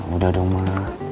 udah dong ma